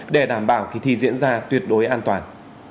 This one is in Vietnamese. để đảm bảo khi thi diễn ra tuyệt đối an toàn